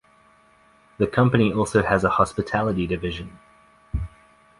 The company also has a hospitality division.